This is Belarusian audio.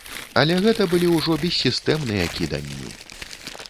Але гэта былі ўжо бессістэмныя кіданні.